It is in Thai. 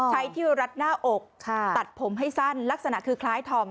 ที่รัดหน้าอกตัดผมให้สั้นลักษณะคือคล้ายธอม